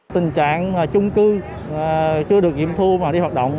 tình trạng chung cư chưa được nghiệm thu mà đi hoạt động